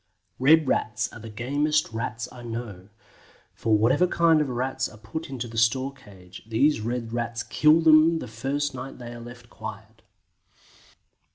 Red Rats are the "gameist" Rats I know, for whatever kind of Rats are put into the store cage, these Red Rats kill them the first night they are left quiet.